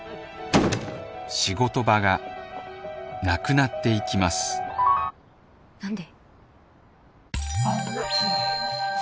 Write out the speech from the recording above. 仕事場がなくなっていきますなんで！？